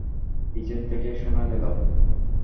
পিছন থেকে শোনা গেল।